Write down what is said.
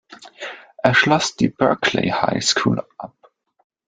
Er schloss die Berkeley High School ab.